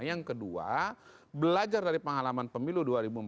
yang kedua belajar dari pengalaman pemilu dua ribu empat belas dua ribu sembilan belas